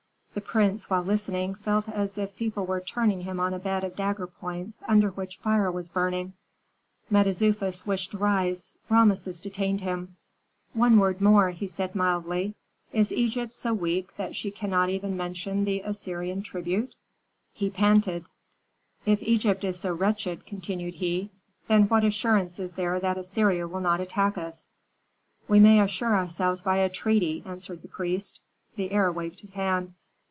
The prince, while listening, felt as if people were turning him on a bed of dagger points under which fire was burning. Mentezufis wished to rise; Rameses detained him. "One word more," said he, mildly. "Is Egypt so weak that she cannot even mention the Assyrian tribute?" He panted. "If Egypt is so wretched," continued he, "then what assurance is there that Assyria will not attack us?" "We may assure ourselves by a treaty," answered the priest. The heir waved his hand.